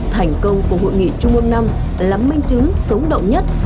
thành công của hội nghị trung ương năm là minh chứng sống động nhất